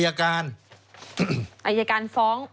อย่าการฟ้อง